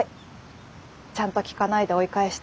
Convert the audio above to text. ちゃんと聞かないで追い返して。